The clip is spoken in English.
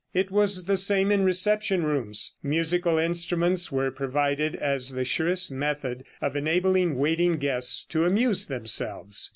It was the same in reception rooms; musical instruments were provided as the surest method of enabling waiting guests to amuse themselves.